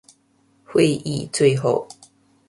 会议最后